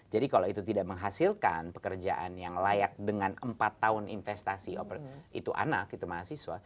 jadi kalau itu tidak menghasilkan pekerjaan yang layak dengan empat tahun investasi itu anak itu mahasiswa